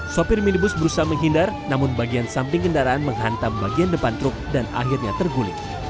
sopir minibus berusaha menghindar namun bagian samping kendaraan menghantam bagian depan truk dan akhirnya terguling